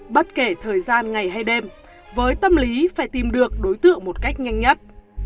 bất kể thời gian ngày hay đêm với tâm lý phải tìm được đối tượng một cách nhanh nhất